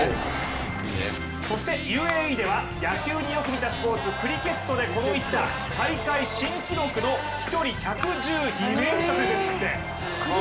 そして、ＵＡＥでは野球によく似たスポーツクリケットでこの一打大会新記録の飛距離１１２ｍ。